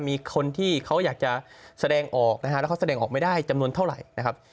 มีคนที่เขาอยากจะแสดงออกนะฮะแล้วเขาแสดงออกไม่ได้จำนวนเท่าไหร่นะครับ